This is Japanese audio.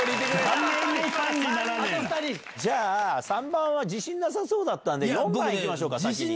３番は自信なさそうだったんで４番行きましょうか先に。